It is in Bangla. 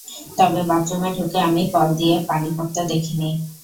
তবে বাথরুমে ঢুকে আমি কল দিয়ে পানি পড়তে দেখি নি।